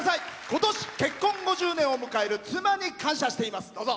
ことし、結婚５０年を迎える妻に感謝しています。